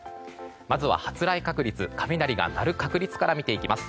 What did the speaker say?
まずは発雷確率雷が鳴る確率からです。